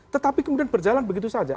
tetapi kemudian berjalan begitu saja